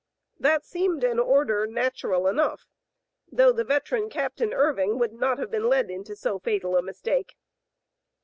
That seemed an order nat ural enough, though the veteran Captain Irving would not have been led into so fatal a mistake.